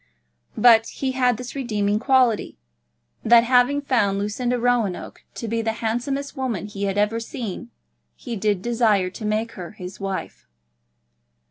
But he had this redeeming quality, that having found Lucinda Roanoke to be the handsomest woman he had ever seen, he did desire to make her his wife.